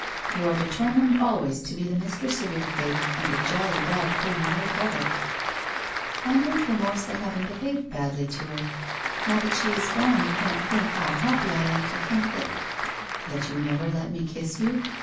You are determined always to be the mistress of your fate and a jolly bad thing you make of it !' 1 I meant remorse at having behaved badly to her. Now that she is gone you can't think how happy I am to think that '' That you never let me kiss you?